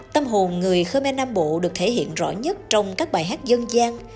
tâm hồn người khmer nam bộ được thể hiện rõ nhất trong các bài hát dân gian